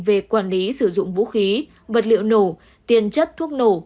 về quản lý sử dụng vũ khí vật liệu nổ tiền chất thuốc nổ